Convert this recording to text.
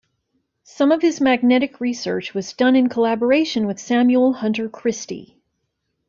Some of his magnetic research was done in collaboration with Samuel Hunter Christie.